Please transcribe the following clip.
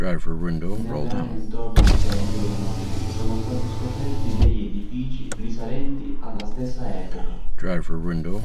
Nell'area intorno al tempio romano sono stati scoperti degli edifici risalenti alla stessa epoca.